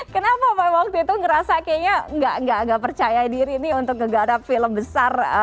kenapa memang waktu itu ngerasa kayaknya nggak percaya diri nih untuk ngegarap film besar